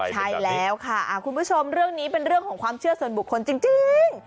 ใช่แล้วค่ะคุณผู้ชมเรื่องนี้เป็นเรื่องของความเชื่อส่วนบุคคลจริง